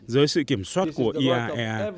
dưới sự kiểm soát của iaea